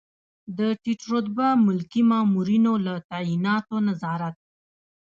د ټیټ رتبه ملکي مامورینو له تعیناتو نظارت.